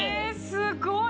すごい！